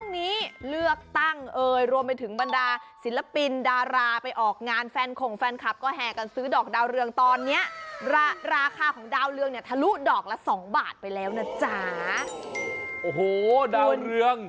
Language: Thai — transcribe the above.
นี้เลือกตั้งเอ่ยรวมไปถึงบรรดาศิลปินดาราไปออกงานแฟนข่งแฟนคลับก็แห่กันซื้อดอกดาวเรืองตอนเนี้ยราคาของดาวเรืองเนี่ยทะลุดอกละสองบาทไปแล้วนะจ๊ะโอ้โหดาวเรือง